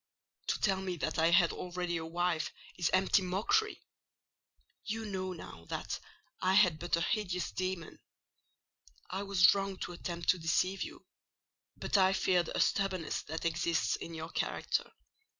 To tell me that I had already a wife is empty mockery: you know now that I had but a hideous demon. I was wrong to attempt to deceive you; but I feared a stubbornness that exists in your character.